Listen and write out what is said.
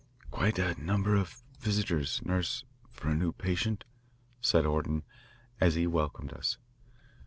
"Quite a number of visitors, nurse, for a new patient," said Orton, as he welcomed us.